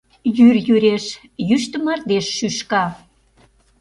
Йӱр йӱреш, йӱштӧ мардеж шӱшка.